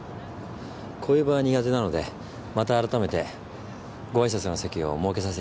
こういう場は苦手なのでまた改めてご挨拶の席を設けさせていただきます。